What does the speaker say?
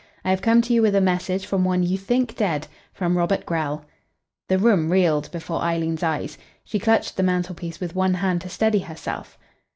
I have come to you with a message from one you think dead from Robert Grell." The room reeled before Eileen's eyes. She clutched the mantelpiece with one hand to steady herself.